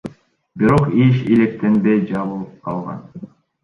Бирок иш иликтенбей, жабылып калган.